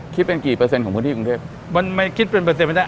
คิดเป็นกี่เปอร์เซ็นต์ของพื้นที่กรุงเทพมันไม่คิดเป็นเปอร์เซ็นไม่ได้